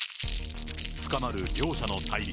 深まる両者の対立。